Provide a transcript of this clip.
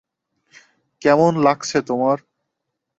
কেমন লাগছে তোমার?